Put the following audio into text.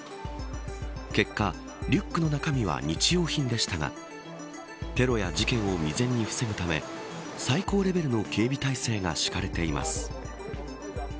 結果、リュックの中身は日用品でしたがテロや事件を未然に防ぐため最高レベルの警備体制が敷かれています。